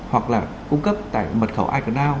hoặc là cung cấp tại mật khẩu iconow